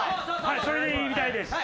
それでいいみたいです。